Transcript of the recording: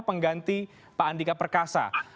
pengganti pak andika perkasa